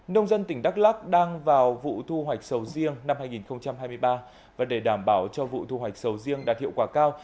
nông dân tỉnh đắk lắc đang vào vụ thu hoạch sầu riêng năm hai nghìn hai mươi ba và để đảm bảo cho vụ thu hoạch sầu riêng đạt hiệu quả cao